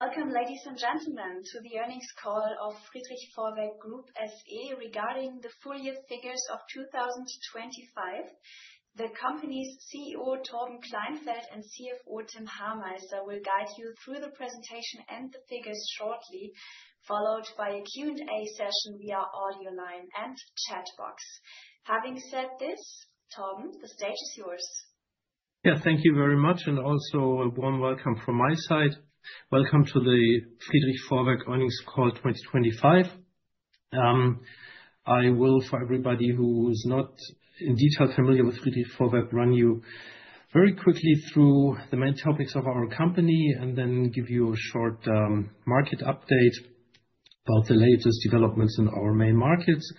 Welcome, ladies and gentlemen, to the earnings call of Friedrich Vorwerk Group SE regarding the full year figures of 2025. The company's CEO, Torben Kleinfeldt, and CFO, Tim Hameister, will guide you through the presentation and the figures shortly, followed by a Q&A session via audio line and chat box. Having said this, Torben, the stage is yours. Thank you very much, and also a warm welcome from my side. Welcome to the Friedrich Vorwerk earnings call 2025. I will, for everybody who is not in detail familiar with Friedrich Vorwerk, run you very quickly through the main topics of our company and then give you a short market update about the latest developments in our main markets.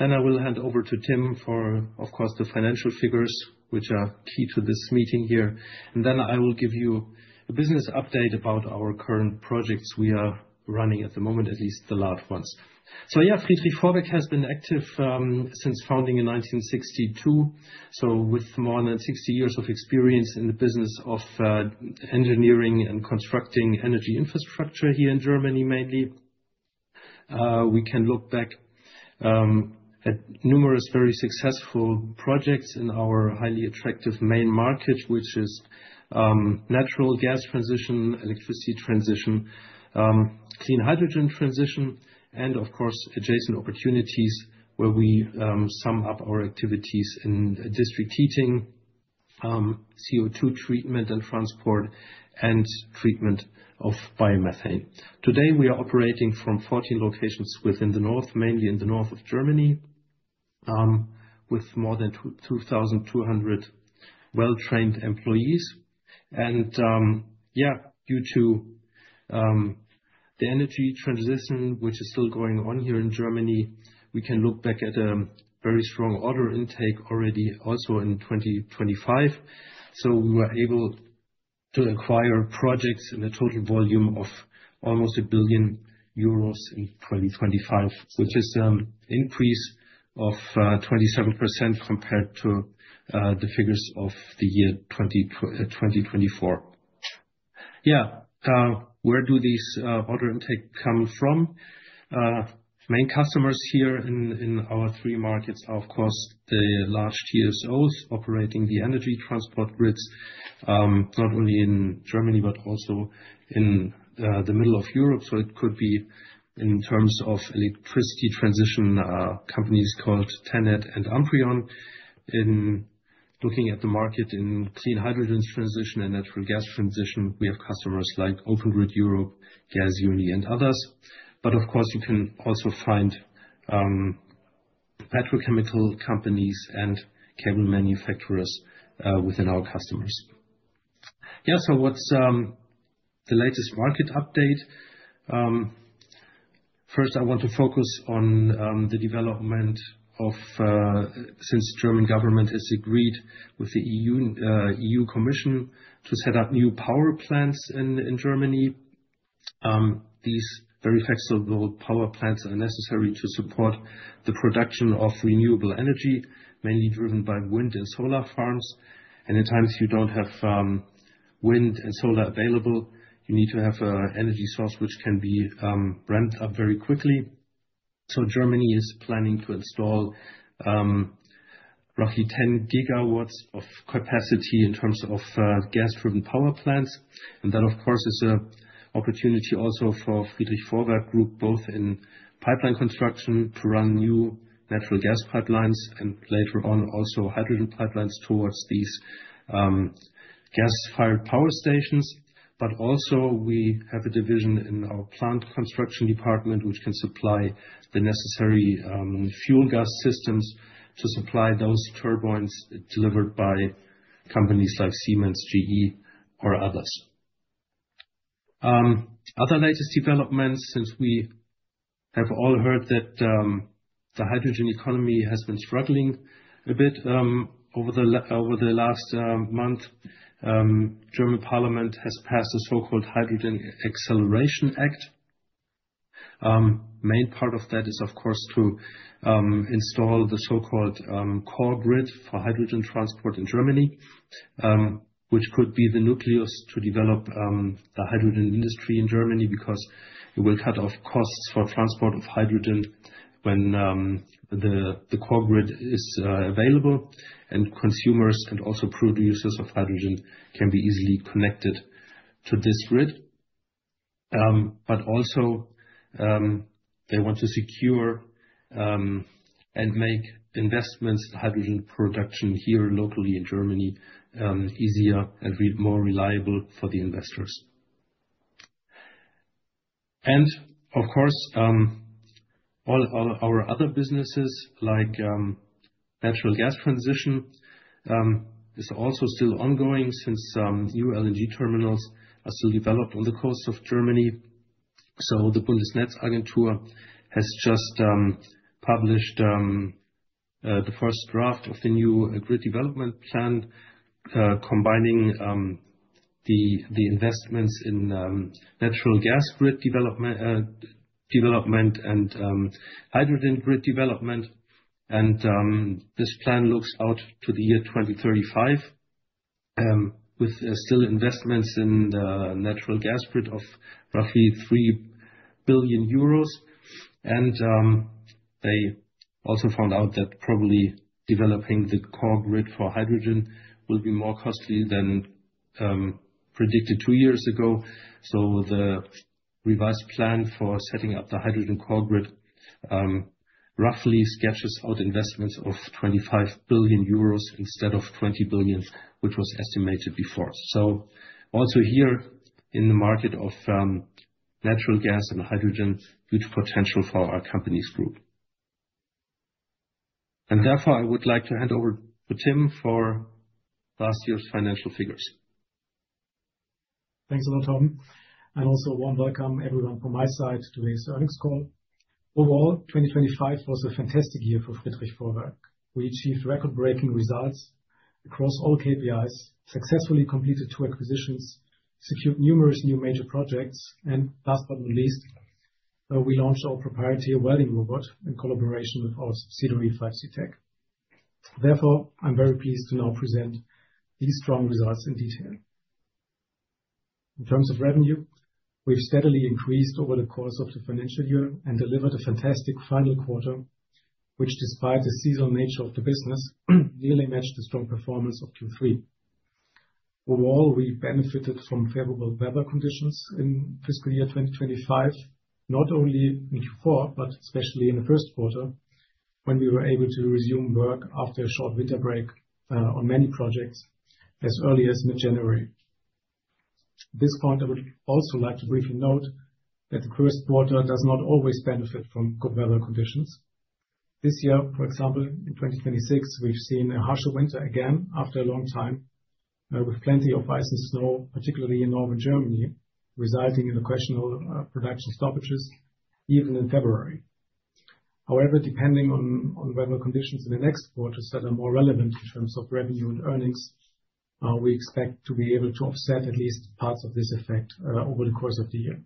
Then I will hand over to Tim for, of course, the financial figures which are key to this meeting here, and then I will give you a business update about our current projects we are running at the moment, at least the last ones. Friedrich Vorwerk has been active since founding in 1962. With more than 60 years of experience in the business of engineering and constructing energy infrastructure here in Germany mainly. We can look back at numerous very successful projects in our highly attractive main market, which is natural gas transition, electricity transition, clean hydrogen transition, and of course, adjacent opportunities where we sum up our activities in district heating, CO2 treatment and transport, and treatment of biomethane. Today, we are operating from 14 locations within the north, mainly in the north of Germany, with more than 2,200 well-trained employees. Due to the energy transition, which is still going on here in Germany, we can look back at a very strong order intake already also in 2025. We were able to acquire projects in a total volume of almost 1 billion euros in 2025, which is an increase of 27% compared to the figures of the year 2024. Yeah. Where do these order intake come from? Main customers here in our three markets are, of course, the large TSOs operating the energy transport grids, not only in Germany but also in the middle of Europe. It could be in terms of electricity transition companies called TenneT and Amprion. In looking at the market in clean hydrogen transition and natural gas transition, we have customers like Open Grid Europe, Gasunie and others. But of course you can also find petrochemical companies and cable manufacturers within our customers. Yeah. What's the latest market update? First I want to focus on the development since German government has agreed with the EU Commission to set up new power plants in Germany. These very flexible power plants are necessary to support the production of renewable energy, mainly driven by wind and solar farms. In times you don't have wind and solar available, you need to have an energy source which can be ramped up very quickly. Germany is planning to install roughly 10 GW of capacity in terms of gas-driven power plants, and that of course is an opportunity also for Friedrich Vorwerk Group, both in pipeline construction to run new natural gas pipelines and later on also hydrogen pipelines towards these gas-fired power stations. Also we have a division in our plant construction department which can supply the necessary fuel gas systems to supply those turbines delivered by companies like Siemens, GE or others. Other latest developments. Since we have all heard that the hydrogen economy has been struggling a bit over the last month, German parliament has passed a so-called Hydrogen Acceleration Act. Main part of that is, of course, to install the so-called core grid for hydrogen transport in Germany, which could be the nucleus to develop the hydrogen industry in Germany because it will cut off costs for transport of hydrogen when the core grid is available and consumers and also producers of hydrogen can be easily connected to this grid. They want to secure and make investments in hydrogen production here locally in Germany easier and more reliable for the investors. Of course, all our other businesses like natural gas transmission is also still ongoing since some new LNG terminals are still developed on the coast of Germany. The Bundesnetzagentur has just published the first draft of the new grid development plan combining the investments in natural gas grid development and hydrogen grid development and this plan looks out to the year 2035 with still investments in the natural gas grid of roughly 3 billion euros. They also found out that probably developing the core grid for hydrogen will be more costly than predicted two years ago. The revised plan for setting up the hydrogen core grid roughly sketches out investments of 25 billion euros instead of 20 billion, which was estimated before. Also here in the market of natural gas and hydrogen, good potential for our company's group. Therefore, I would like to hand over to Tim for last year's financial figures. Thanks a lot, Tom, and also warm welcome everyone from my side to today's earnings call. Overall, 2025 was a fantastic year for Friedrich Vorwerk. We achieved record-breaking results across all KPIs, successfully completed two acquisitions, secured numerous new major projects, and last but not least, we launched our proprietary welding robot in collaboration with our subsidiary, 5C-Tech. Therefore, I'm very pleased to now present these strong results in detail. In terms of revenue, we've steadily increased over the course of the financial year and delivered a fantastic final quarter, which despite the seasonal nature of the business, nearly matched the strong performance of Q3. Overall, we benefited from favorable weather conditions in fiscal year 2025, not only in Q4, but especially in the first quarter, when we were able to resume work after a short winter break on many projects as early as mid-January. At this point, I would also like to briefly note that the first quarter does not always benefit from good weather conditions. This year, for example, in 2026, we've seen a harsher winter again after a long time, with plenty of ice and snow, particularly in Northern Germany, resulting in occasional production stoppages even in February. However, depending on weather conditions in the next quarters that are more relevant in terms of revenue and earnings, we expect to be able to offset at least parts of this effect over the course of the year.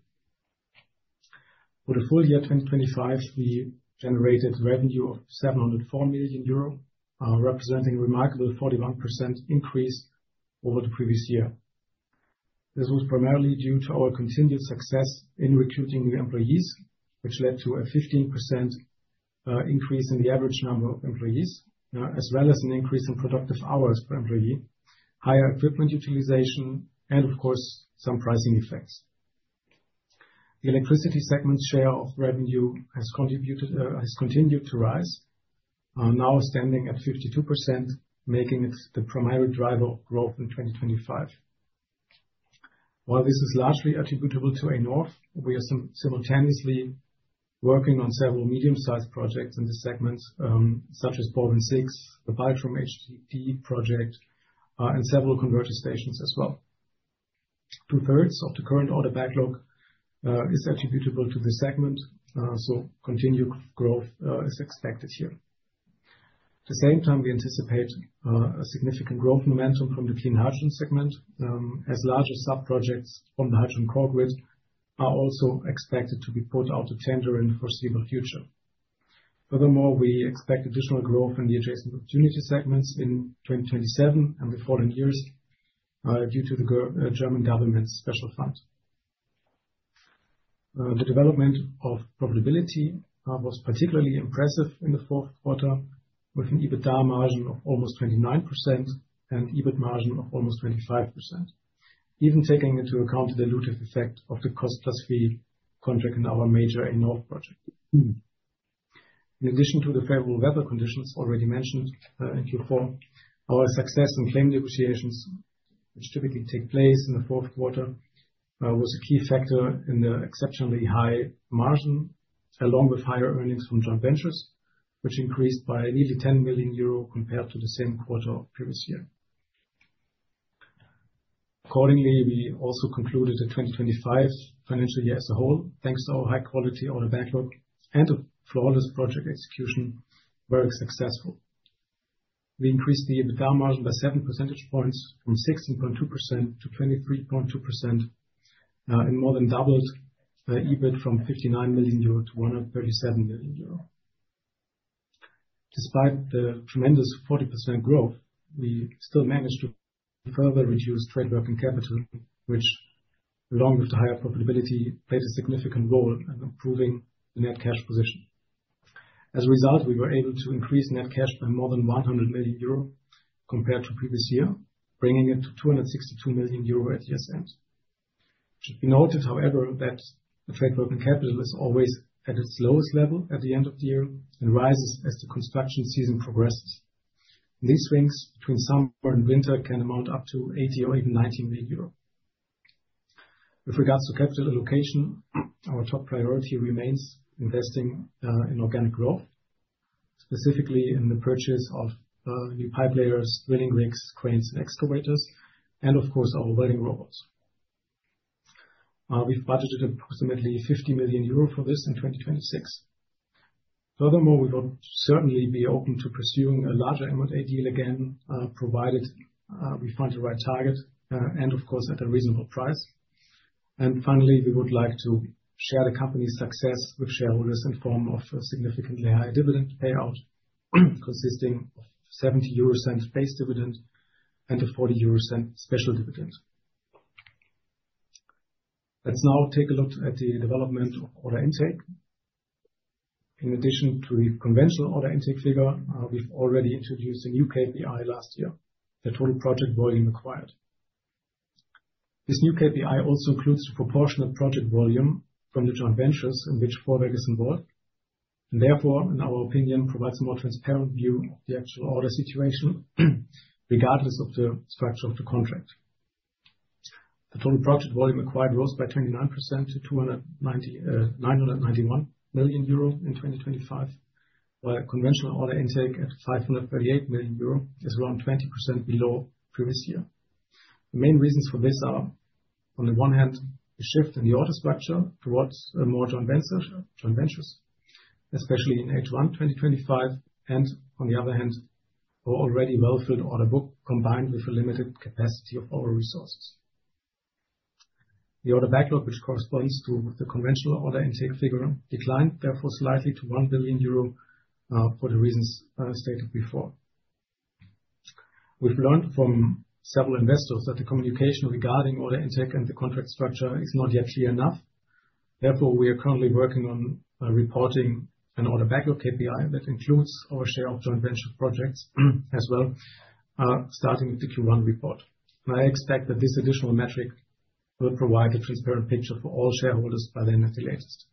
For the full year 2025, we generated revenue of 704 million euro, representing a remarkable 41% increase over the previous year. This was primarily due to our continued success in recruiting new employees, which led to a 15% increase in the average number of employees, as well as an increase in productive hours per employee, higher equipment utilization, and of course, some pricing effects. The Electricity segment share of revenue has continued to rise, now standing at 52%, making it the primary driver of growth in 2025. While this is largely attributable to A-Nord, we are simultaneously working on several medium-sized projects in the segments, such as BorWin6, the Büsum HDD project, and several converter stations as well. Two-thirds of the current order backlog is attributable to this segment, so continued growth is expected here. At the same time, we anticipate a significant growth momentum from the clean hydrogen segment, as larger sub-projects from the hydrogen core grid are also expected to be put out to tender in the foreseeable future. Furthermore, we expect additional growth in the adjacent opportunity segments in 2027 and the following years, due to the German government's special fund. The development of profitability was particularly impressive in the fourth quarter, with an EBITDA margin of almost 29% and EBIT margin of almost 25%, even taking into account the dilutive effect of the cost-plus-fee contract in our major in north project. In addition to the favorable weather conditions already mentioned, in Q4, our success in claim negotiations, which typically take place in the fourth quarter, was a key factor in the exceptionally high margin, along with higher earnings from joint ventures, which increased by nearly 10 million euro compared to the same quarter of the previous year. Accordingly, we also concluded the 2025 financial year as a whole, thanks to our high quality order backlog and a flawless project execution, very successful. We increased the EBITDA margin by 7 percentage points from 16.2%-23.2%, and more than doubled the EBIT from 59 million euro to 137 million euro. Despite the tremendous 40% growth, we still managed to further reduce trade working capital, which along with the higher profitability, played a significant role in improving the net cash position. As a result, we were able to increase net cash by more than 100 million euro compared to previous year, bringing it to 262 million euro at year's end. It should be noted, however, that the trade working capital is always at its lowest level at the end of the year and rises as the construction season progresses. These swings between summer and winter can amount up to 80 million or even 90 million euros. With regards to capital allocation, our top priority remains investing in organic growth, specifically in the purchase of new pipe layers, drilling rigs, cranes, excavators, and of course, our welding robots. We've budgeted approximately 50 million euro for this in 2026. Furthermore, we will certainly be open to pursuing a larger M&A deal again, provided we find the right target and of course, at a reasonable price. Finally, we would like to share the company's success with shareholders in form of a significantly higher dividend payout, consisting of 0.70 base dividend and a 0.40 special dividend. Let's now take a look at the development of order intake. In addition to the conventional order intake figure, we've already introduced a new KPI last year, the total project volume acquired. This new KPI also includes proportional project volume from the joint ventures in which Vorwerk is involved, and therefore, in our opinion, provides a more transparent view of the actual order situation regardless of the structure of the contract. The total project volume acquired rose by 29% to 991 million euro in 2025, while conventional order intake at 538 million euro is around 20% below previous year. The main reasons for this are, on the one hand, the shift in the order structure towards a more joint ventures, especially in H1 2025, and on the other hand, our already well-filled order book, combined with a limited capacity of our resources. The order backlog, which corresponds to the conventional order intake figure, declined therefore slightly to 1 billion euro for the reasons stated before. We've learned from several investors that the communication regarding order intake and the contract structure is not yet clear enough. Therefore, we are currently working on reporting an order backlog KPI that includes our share of joint venture projects as well, starting with the Q1 report. I expect that this additional metric will provide a transparent picture for all shareholders by then at the latest.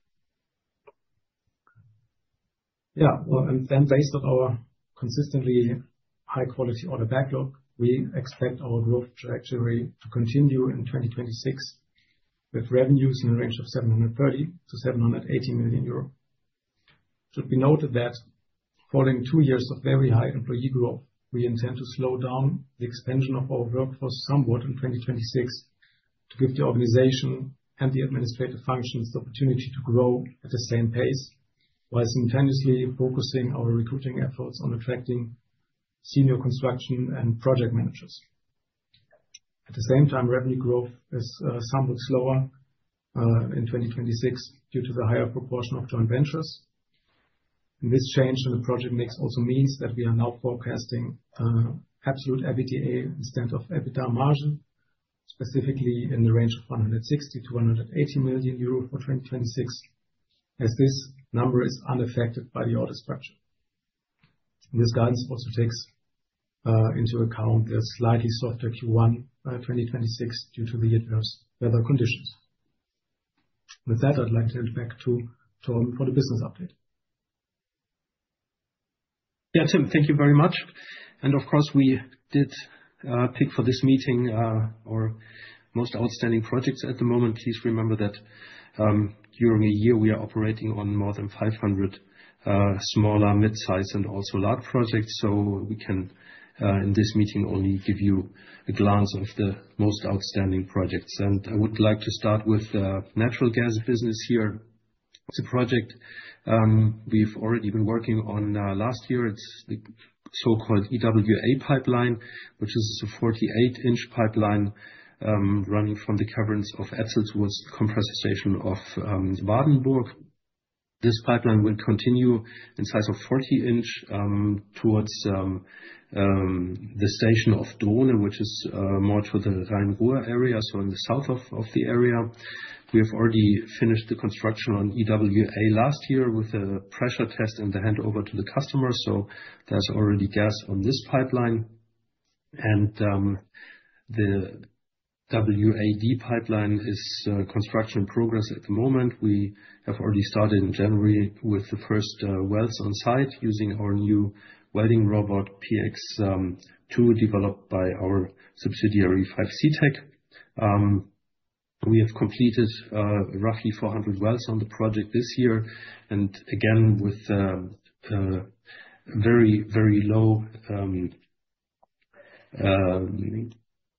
Well, based on our consistently high quality order backlog, we expect our growth trajectory to continue in 2026, with revenues in the range of 730 million-780 million euro. It should be noted that following two years of very high employee growth, we intend to slow down the expansion of our workforce somewhat in 2026 to give the organization and the administrative functions the opportunity to grow at the same pace, while simultaneously focusing our recruiting efforts on attracting senior construction and project managers. At the same time, revenue growth is somewhat slower in 2026 due to the higher proportion of joint ventures. This change in the project mix also means that we are now forecasting absolute EBITDA instead of EBITDA margin, specifically in the range of 160 million-180 million euro for 2026, as this number is unaffected by the order structure. This guidance also takes into account a slightly softer Q1 2026 due to the adverse weather conditions. With that, I'd like to hand back to Tom for the business update. Yeah, Tim, thank you very much. Of course, we did pick for this meeting our most outstanding projects at the moment. Please remember that during a year, we are operating on more than 500 smaller, mid-size and also large projects, so we can in this meeting only give you a glance of the most outstanding projects. I would like to start with the natural gas business here. It's a project we've already been working on last year. It's the so-called EWA pipeline, which is a 48 in pipeline running from the caverns of Etzel towards the compression station of Wardenburg. This pipeline will continue in size of 40 in towards the station of Drohne, which is more to the Rhine-Ruhr area, so in the south of the area. We have already finished the construction on EWA last year with a pressure test and the handover to the customer, so there's already gas on this pipeline. The WAD pipeline is construction progress at the moment. We have already started in January with the first welds on site using our new welding robot, PX-II, developed by our subsidiary, 5C-Tech. We have completed roughly 400 welds on the project this year, and again, with very, very low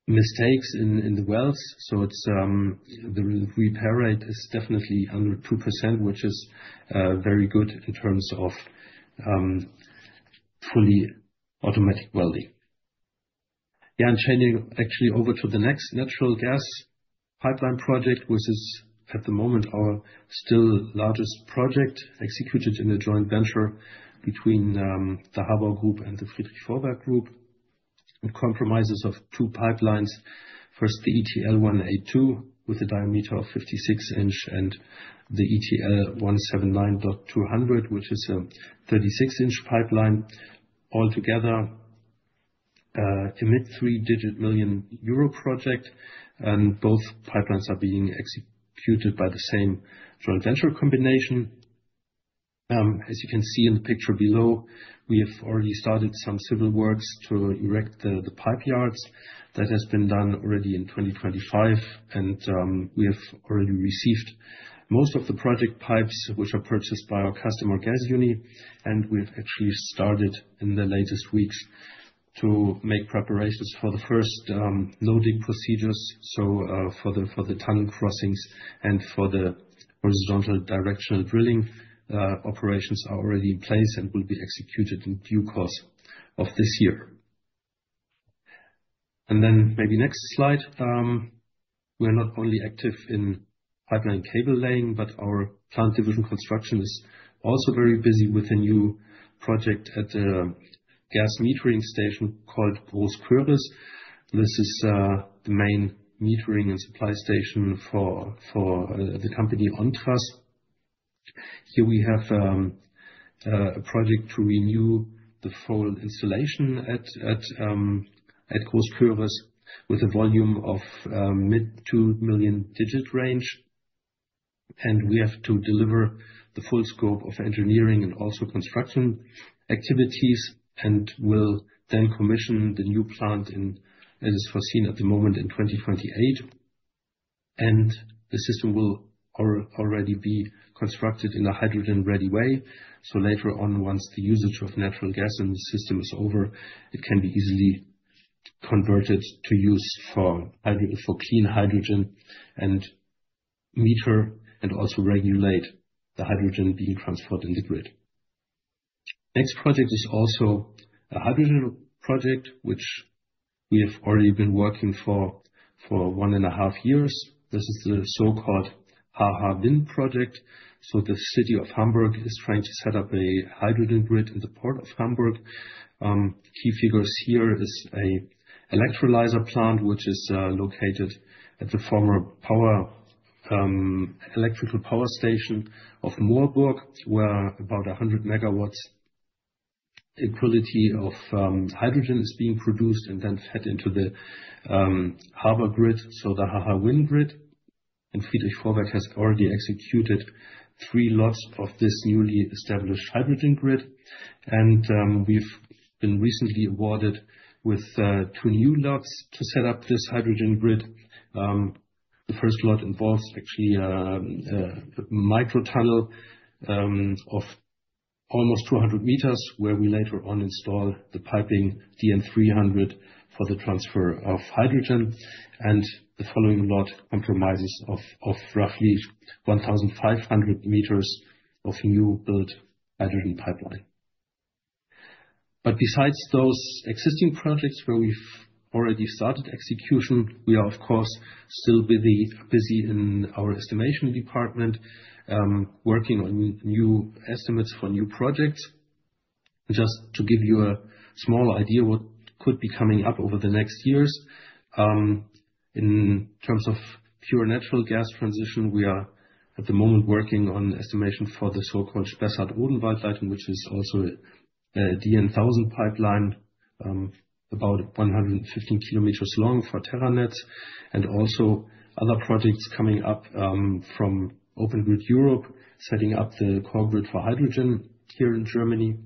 mistakes in the welds. It's the re-weld rate is definitely under 2%, which is very good in terms of fully automatic welding. Yeah, changing actually over to the next natural gas pipeline project, which is at the moment our still largest project executed in a joint venture between the HABAU Group and the Friedrich Vorwerk Group. It comprises two pipelines. First, the ETL 182 with a diameter of 56 in, and the ETL 179.200, which is a 36 in pipeline. Altogether, a mid-three-digit million euro project, and both pipelines are being executed by the same joint venture combination. As you can see in the picture below, we have already started some civil works to erect the pipe yards. That has been done already in 2025. We have already received most of the project pipes, which are purchased by our customer, Gasunie. We've actually started in the latest weeks to make preparations for the first loading procedures for the tunnel crossings and for the horizontal directional drilling operations are already in place and will be executed in due course of this year. Maybe next slide. We are not only active in pipeline cable laying, but our plant division construction is also very busy with a new project at a gas metering station called Groß Köris. This is the main metering and supply station for the company ONTRAS. Here we have a project to renew the full installation at Groß Köris with a volume of mid 2 million range. We have to deliver the full scope of engineering and also construction activities, and we'll then commission the new plant in, as foreseen at the moment, in 2028. The system will already be constructed in a hydrogen-ready way. Later on, once the usage of natural gas in the system is over, it can be easily converted to use for clean hydrogen and meter, and also regulate the hydrogen being transferred in the grid. Next project is also a hydrogen project which we have already been working for one and a half years. This is the so-called HH-WIN project. The city of Hamburg is trying to set up a hydrogen grid in the port of Hamburg. Key figure here is an electrolyzer plant, which is located at the former electrical power station of Moorburg, where about 100 MW equivalent of hydrogen is being produced and then fed into the Hamburg grid, so the HH-WIN grid. Friedrich Vorwerk has already executed three lots of this newly established hydrogen grid. We've been recently awarded with two new lots to set up this hydrogen grid. The first lot involves actually micro tunnel of almost 200 m, where we later on install the piping DN 300 for the transfer of hydrogen. The following lot comprises of roughly 1,500 m of newly built hydrogen pipeline. Besides those existing projects where we've already started execution, we are of course still busy in our estimation department, working on new estimates for new projects. Just to give you a small idea what could be coming up over the next years. In terms of pure natural gas transmission, we are at the moment working on estimation for the so-called Hessen-Odenwald-Leitung, which is also a DN 1000 pipeline, about 115 km long for terranets bw. Also other projects coming up from Open Grid Europe, setting up the core grid for hydrogen here in Germany.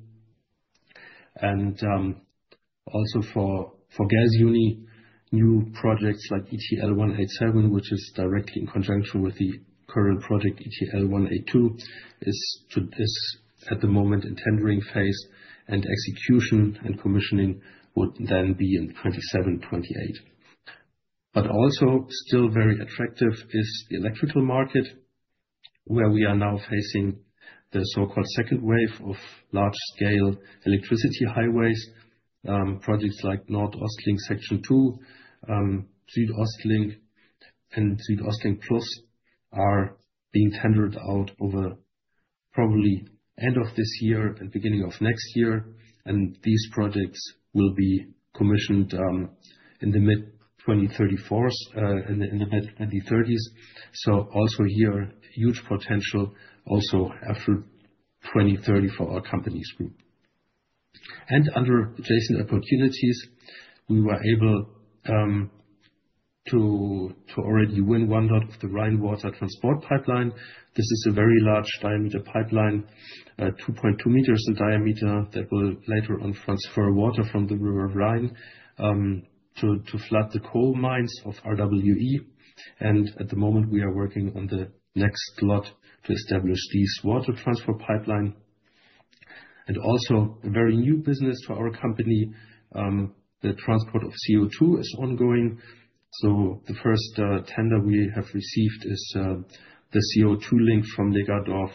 Also for Gasunie, new projects like ETL 187, which is directly in conjunction with the current project, ETL 182, is, at this moment, in tendering phase and execution and commissioning would then be in 2027, 2028. Also still very attractive is the electrical market, where we are now facing the so-called second wave of large scale electricity highways. Projects like NordOstLink Section 2, SuedOstLink and SuedOstLink+ are being tendered out over probably end of this year and beginning of next year. These projects will be commissioned in the mid-2030s. Here, huge potential also after 2030 for our companies group. Under adjacent opportunities, we were able to already win one lot of the Rhine Water Transport Pipeline. This is a very large diameter pipeline, 2.2 m in diameter, that will later on transfer water from the River Rhine to flood the coal mines of RWE. At the moment we are working on the next lot to establish these water transfer pipeline. Also a very new business for our company, the transport of CO2 is ongoing. The first tender we have received is the CO2-Link from Lägerdorf,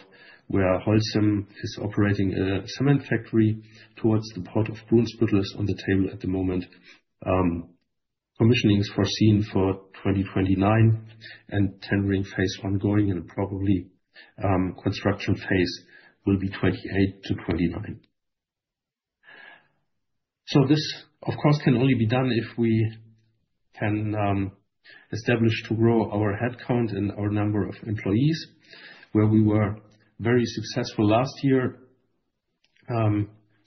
where Holcim is operating a cement factory towards the port of Brunsbüttel is on the table at the moment. Commissioning is foreseen for 2029 and tendering phase one going in probably, construction phase will be 2028 to 2029. This, of course, can only be done if we can establish to grow our headcount and our number of employees, where we were very successful last year.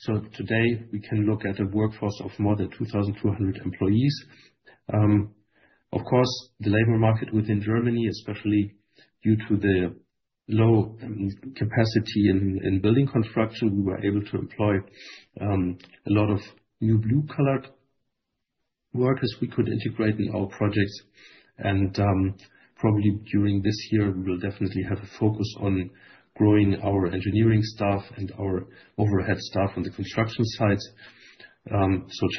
Today we can look at a workforce of more than 2,200 employees. Of course, the labor market within Germany, especially due to the low capacity in building construction, we were able to employ a lot of new blue collar workers we could integrate in our projects. Probably during this year, we will definitely have a focus on growing our engineering staff and our overhead staff on the construction sites.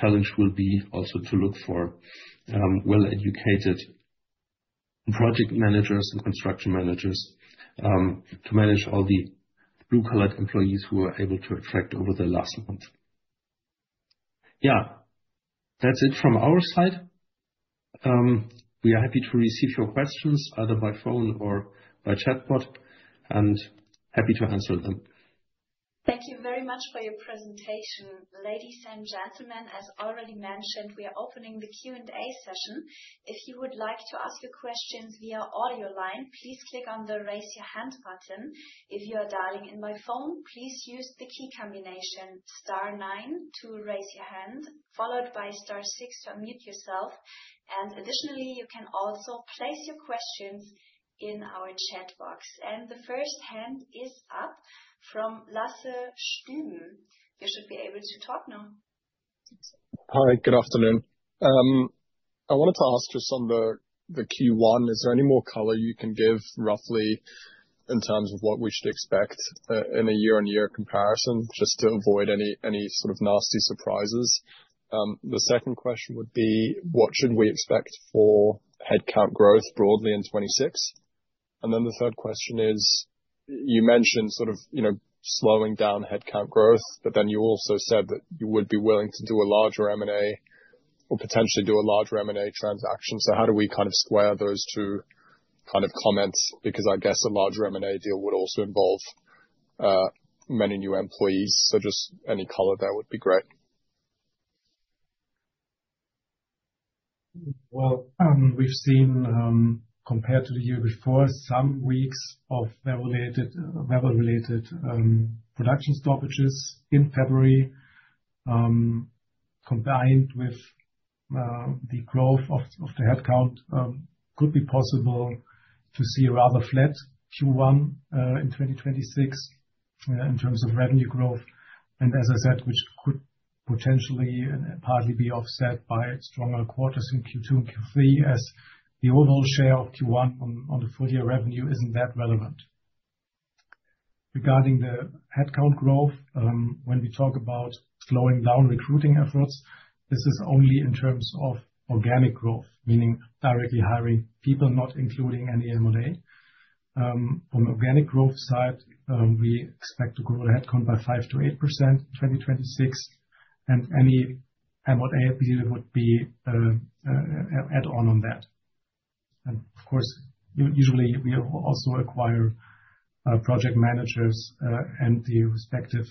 Challenge will be also to look for well-educated. Project managers and construction managers to manage all the blue collar employees who were able to attract over the last month. Yeah. That's it from our side. We are happy to receive your questions either by phone or by chatbot, and happy to answer them. Thank you very much for your presentation. Ladies and gentlemen, as already mentioned, we are opening the Q&A session. If you would like to ask your questions via audio line, please click on the Raise Your Hand button. If you are dialing in by phone, please use the key combination star nine to raise your hand, followed by star six to unmute yourself. Additionally, you can also place your questions in our chat box. The first hand is up from Lasse Stüben. You should be able to talk now. Hi, good afternoon. I wanted to ask just on the Q1, is there any more color you can give roughly in terms of what we should expect in a year-on-year comparison, just to avoid any sort of nasty surprises? The second question would be what should we expect for headcount growth broadly in 2026? The third question is, you mentioned sort of, you know, slowing down headcount growth, but then you also said that you would be willing to do a larger M&A or potentially do a larger M&A transaction. How do we kind of square those two kind of comments? Because I guess a larger M&A deal would also involve many new employees. Just any color there would be great. Well, we've seen, compared to the year before, some weeks of weather-related production stoppages in February, combined with the growth of the headcount, could be possible to see a rather flat Q1 in 2026 in terms of revenue growth. As I said, which could potentially and partly be offset by stronger quarters in Q2 and Q3. As the overall share of Q1 on the full year revenue isn't that relevant. Regarding the headcount growth, when we talk about slowing down recruiting efforts, this is only in terms of organic growth, meaning directly hiring people, not including any M&A. On organic growth side, we expect to grow headcount by 5%-8% in 2026, and any M&A would be an add on that. Of course, usually we also acquire project managers and the respective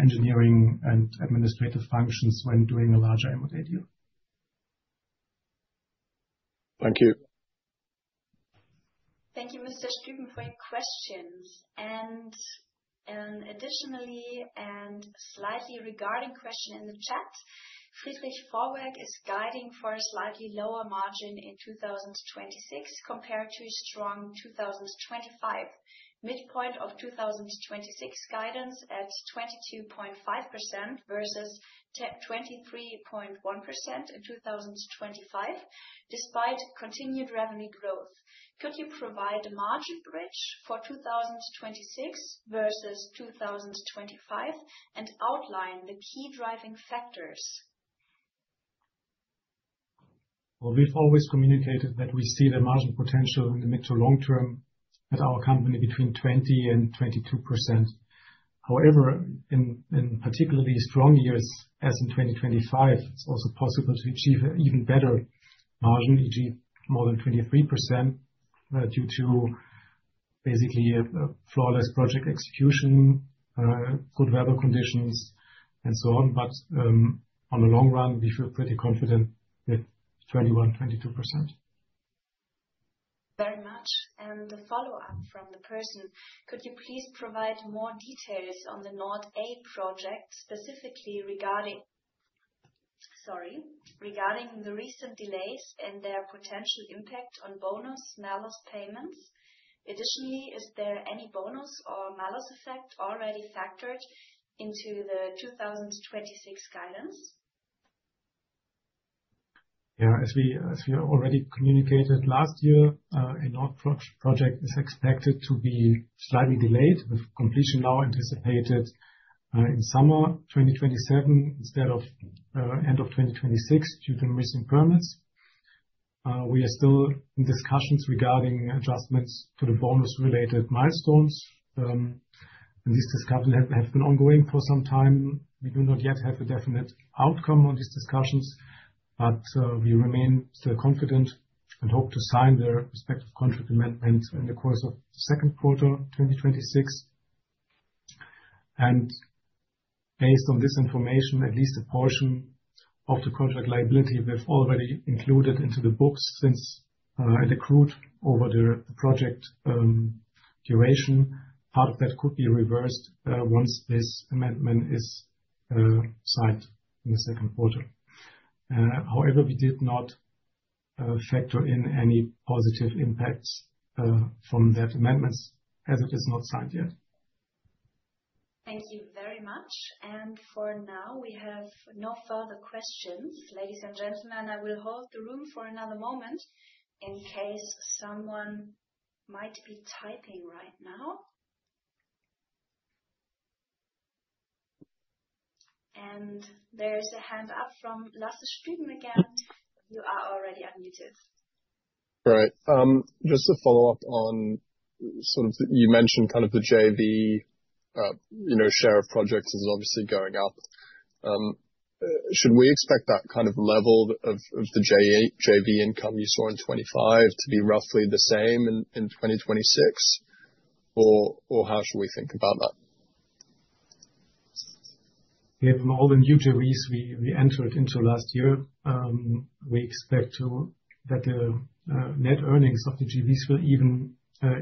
engineering and administrative functions when doing a larger M&A deal. Thank you. Thank you, Mr. Stüben for your questions. Additionally, slightly regarding question in the chat, Friedrich Vorwerk is guiding for a slightly lower margin in 2026 compared to a strong 2025. Midpoint of 2026 guidance at 22.5% versus 23.1% in 2025, despite continued revenue growth. Could you provide a margin bridge for 2026 versus 2025 and outline the key driving factors? Well, we've always communicated that we see the margin potential in the mid to long term at our company between 20%-22%. However, in particularly strong years, as in 2025, it's also possible to achieve even better margin, e.g., more than 23%, due to basically a flawless project execution, good weather conditions, and so on. On the long run, we feel pretty confident with 21%-22%. Very much. A follow-up from the person: Could you please provide more details on the A-Nord project, regarding the recent delays and their potential impact on bonus/malus payments? Additionally, is there any bonus or malus effect already factored into the 2026 guidance? Yeah, as we already communicated last year, A-Nord project is expected to be slightly delayed, with completion now anticipated in summer 2027 instead of end of 2026 due to missing permits. We are still in discussions regarding adjustments to the bonus related milestones. These discussions have been ongoing for some time. We do not yet have a definite outcome on these discussions, but we remain still confident and hope to sign the respective contract amendments in the course of second quarter 2026. Based on this information, at least a portion of the contract liability we've already included into the books since it accrued over the project duration. Part of that could be reversed once this amendment is signed in the second quarter. However, we did not factor in any positive impacts from that amendment as it is not signed yet. Thank you very much. For now, we have no further questions. Ladies and gentlemen, I will hold the room for another moment in case someone might be typing right now. There's a hand up from Lasse Stüben again. You are already unmuted. Right. Just to follow up. You mentioned kind of the JV, you know, share of projects is obviously going up. Should we expect that kind of level of the JV income you saw in 2025 to be roughly the same in 2026 or how should we think about that? We have all the new JVs we entered into last year. We expect that the net earnings of the JVs will even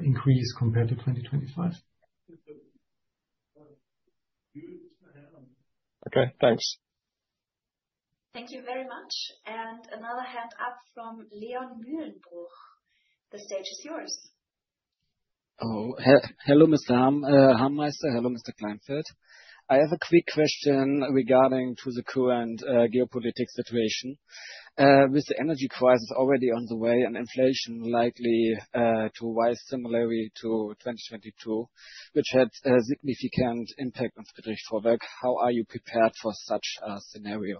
increase compared to 2025. Okay, thanks. Thank you very much. Another hand up from Leon Mühlenbruch. The stage is yours. Hello, Mr. Hameister. Hello, Mr. Kleinfeldt. I have a quick question regarding to the current geopolitical situation. With the energy crisis already on the way and inflation likely to rise similarly to 2022, which had a significant impact on Friedrich Vorwerk, how are you prepared for such a scenario?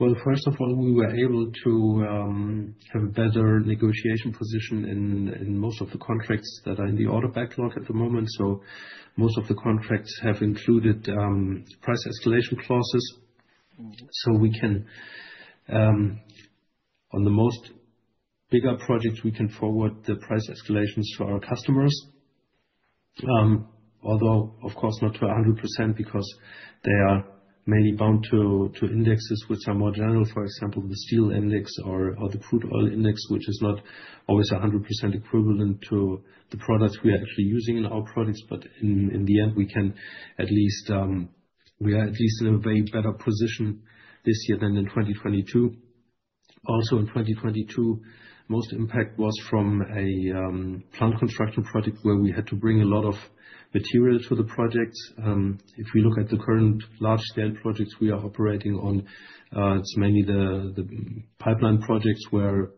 Well, first of all, we were able to have a better negotiation position in most of the contracts that are in the order backlog at the moment. Most of the contracts have included price escalation clauses. We can, on the most bigger projects, forward the price escalations to our customers. Although of course not to 100% because they are mainly bound to indexes which are more general. For example, the steel index or the crude oil index, which is not always 100% equivalent to the products we are actually using in our products. In the end, we are at least in a way better position this year than in 2022. Also in 2022, most impact was from a plant construction project where we had to bring a lot of materials for the projects. If we look at the current large-scale projects we are operating on, it's mainly the pipeline projects where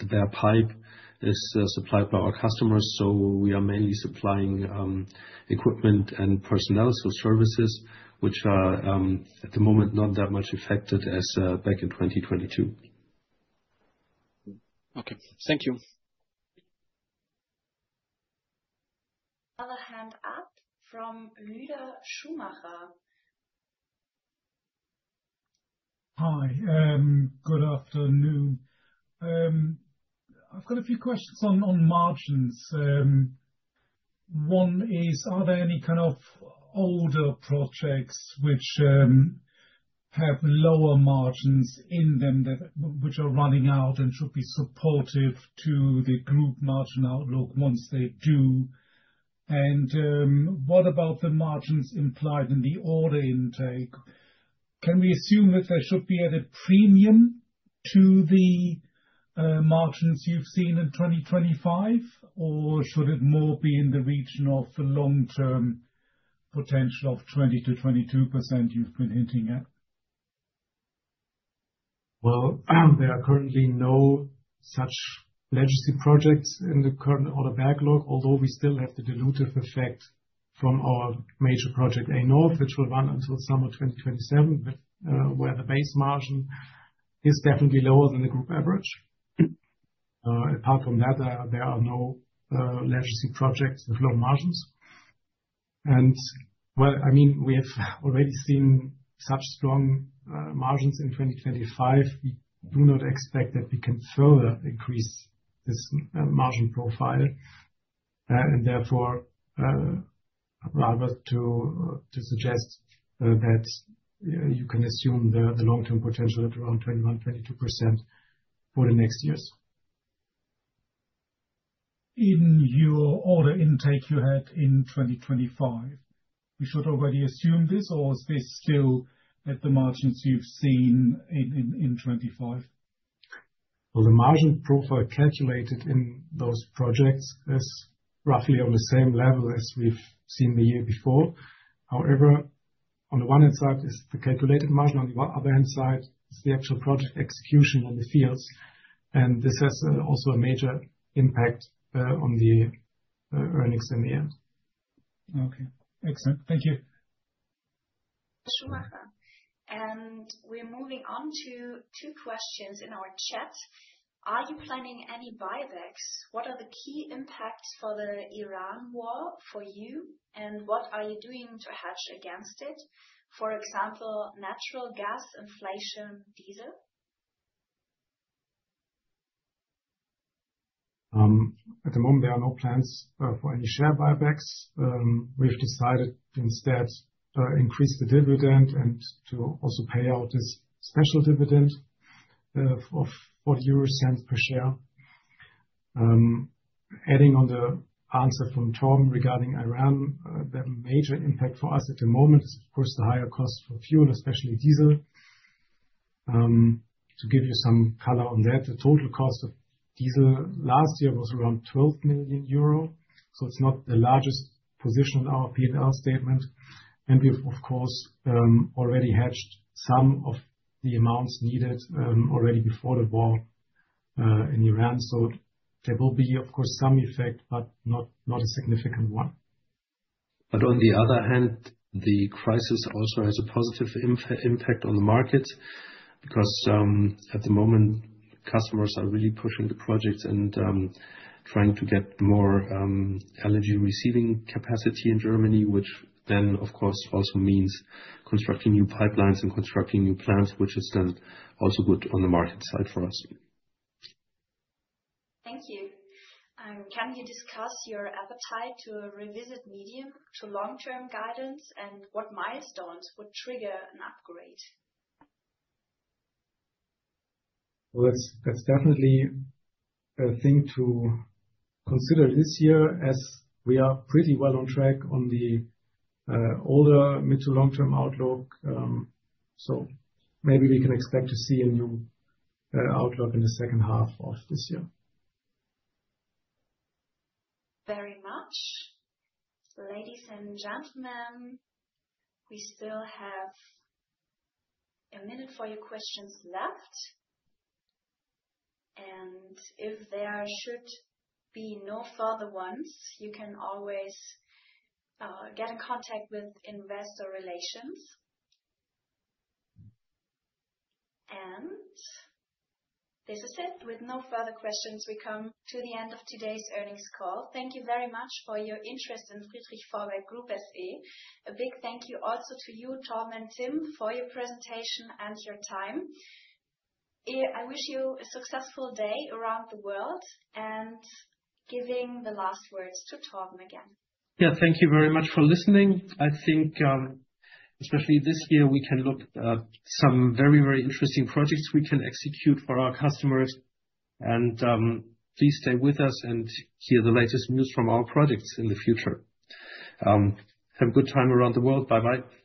the bare pipe is supplied by our customers. We are mainly supplying equipment and personnel. Services which are at the moment not that much affected as back in 2022. Okay. Thank you. Other hand up from Lueder Schumacher. Hi. Good afternoon. I've got a few questions on margins. One is, are there any kind of older projects which have lower margins in them that which are running out and should be supportive to the group margin outlook once they do? What about the margins implied in the order intake? Can we assume that they should be at a premium to the margins you've seen in 2025? Or should it more be in the region of the long-term potential of 20%-22% you've been hinting at? Well, there are currently no such legacy projects in the current order backlog, although we still have the dilutive effect from our major project, A-Nord, which will run until summer 2027, where the base margin is definitely lower than the group average. Apart from that, there are no legacy projects with low margins. Well, I mean, we have already seen such strong margins in 2025. We do not expect that we can further increase this margin profile. Therefore, rather to suggest that you can assume the long-term potential at around 21%-22% for the next years. In your order intake you had in 2025, we should already assume this, or is this still at the margins you've seen in 2025? Well, the margin profile calculated in those projects is roughly on the same level as we've seen the year before. However, on the one hand side is the calculated margin, on the other hand side is the actual project execution in the fields. This has also a major impact on the earnings in the end. Okay. Excellent. Thank you. Schumacher. We're moving on to two questions in our chat. Are you planning any buybacks? What are the key impacts for the Iran war for you, and what are you doing to hedge against it? For example, natural gas, inflation, diesel. At the moment, there are no plans for any share buybacks. We've decided instead to increase the dividend and to also pay out this special dividend of 0.40 per share. Adding on the answer from Tom regarding Iran, the major impact for us at the moment is of course the higher cost for fuel, especially diesel. To give you some color on that, the total cost of diesel last year was around 12 million euro. It's not the largest position on our P&L statement. We've of course already hedged some of the amounts needed already before the war in Iran. There will be, of course, some effect, but not a significant one. On the other hand, the crisis also has a positive impact on the market, because at the moment, customers are really pushing the projects and trying to get more energy receiving capacity in Germany, which then of course also means constructing new pipelines and constructing new plants, which is then also good on the market side for us. Thank you. Can you discuss your appetite to revisit medium to long-term guidance, and what milestones would trigger an upgrade? Well, that's definitely a thing to consider this year, as we are pretty well on track on the overall mid to long-term outlook. So maybe we can expect to see a new outlook in the second half of this year. Very much. Ladies and gentlemen, we still have a minute for your questions left. If there should be no further ones, you can always get in contact with investor relations. This is it. With no further questions, we come to the end of today's earnings call. Thank you very much for your interest in Friedrich Vorwerk Group SE. A big thank you also to you, Tom and Tim, for your presentation and your time. I wish you a successful day around the world. Giving the last words to Tom again. Yeah. Thank you very much for listening. I think, especially this year, we can look at some very, very interesting projects we can execute for our customers. Please stay with us and hear the latest news from our projects in the future. Have a good time around the world. Bye-bye. Bye.